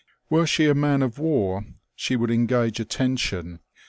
Were she a man of war she would engage attention.